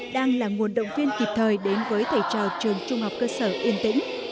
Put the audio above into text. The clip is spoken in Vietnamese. đang là nguồn động viên kịp thời đến với thầy trò trường trung học cơ sở yên tĩnh